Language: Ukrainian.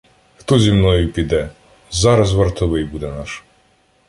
Хто зі мною піде? Зараз вартовий буде наш.